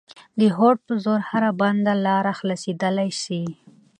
د هوډ په زور هره بنده لاره خلاصېدلای سي.